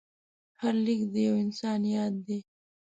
هر لیک د یو انسان یاد دی.